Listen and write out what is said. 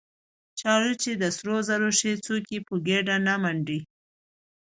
ـ چاړه چې د سرو زرو شي څوک يې په ګېډه نه منډي.